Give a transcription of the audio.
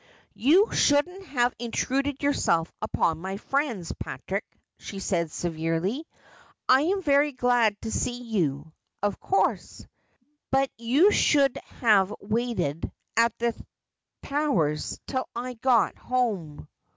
'You shouldn't have intruded yourself upon my friends. Patrick,' she said severely. ' I am very glad to see you, of course ; but you should have waited at the Towers till I got home.'